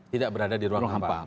tidak berada di ruang hampa